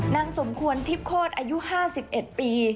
นางสมควรทิพโคตรอายุ๕๑ปี